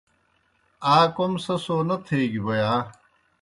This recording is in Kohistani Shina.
آ کوْم سہ سو نہ تھیگیْ بوْ یا؟